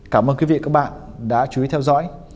cảm ơn quý vị và các bạn đã chú ý theo dõi